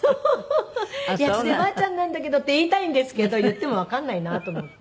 「ヤツデばあちゃんなんだけど」って言いたいんですけど言ってもわかんないなと思って。